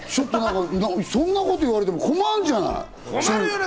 そんなこと言われても困るじゃない。